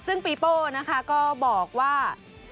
ซึ่งปีโป้นะคะก็บอกว่า